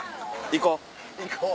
行こう。